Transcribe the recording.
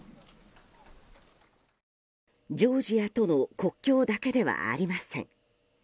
ジョージアとの国境だけではありません。